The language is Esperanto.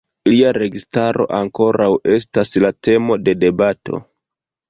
Lia registaro ankoraŭ estas la temo de debato.